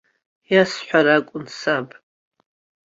Иасҳәар акәын саб.